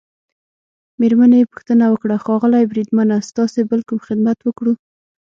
مېرمنې يې پوښتنه وکړه: ښاغلی بریدمنه، ستاسي بل کوم خدمت وکړو؟